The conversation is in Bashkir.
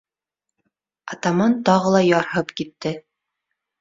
Атаман тағы ла ярһып китте.